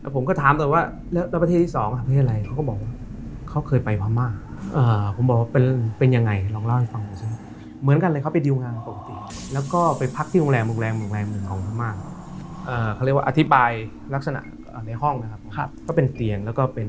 ผมก็ถามแล้วประเทศอีกสอง